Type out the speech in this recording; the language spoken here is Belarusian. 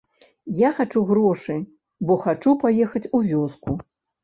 Я хачу грошы, бо хачу паехаць у вёску.